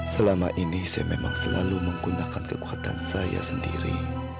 selama ini saya memang selalu menggunakan kekuatan saya sendiri